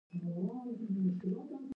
هغه لیکي: د غرونو خلکو وسله نه درلوده،